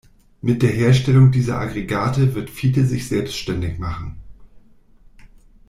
Mit der Herstellung dieser Aggregate wird Fiete sich selbstständig machen.